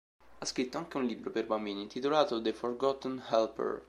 Ha scritto anche un libro per bambini intitolato "The Forgotten Helper".